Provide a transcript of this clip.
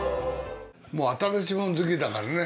もう新しもの好きだからね。